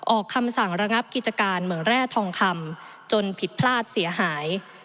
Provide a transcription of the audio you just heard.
ออกคำสั่งระงับกิจการเมืองแร่ทองคำจนผิดพลาดเสียหาย